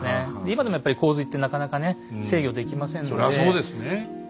今でもやっぱり洪水ってなかなかね制御できませんので。